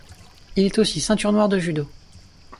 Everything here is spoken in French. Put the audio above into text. Il est aussi ceinture noire de judo.